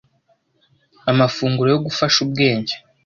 Amafunguro yo gufasha ubwenge